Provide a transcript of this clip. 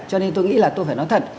cho nên tôi nghĩ là tôi phải nói thật